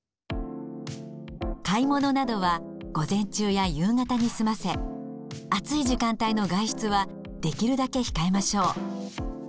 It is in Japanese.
買い物などは午前中や夕方に済ませ暑い時間帯の外出はできるだけ控えましょう。